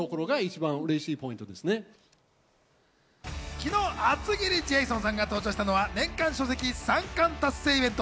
昨日、厚切りジェイソンさんが登場したのは年間書籍三冠達成イベント。